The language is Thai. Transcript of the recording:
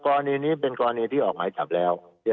กรณีนี้เป็นกรณีที่ออกหมายจับแล้ว